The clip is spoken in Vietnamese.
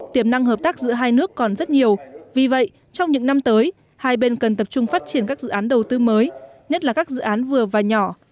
tiềm năng hợp tác giữa hai nước còn rất nhiều vì vậy trong những năm tới hai bên cần tập trung phát triển các dự án đầu tư mới nhất là các dự án vừa và nhỏ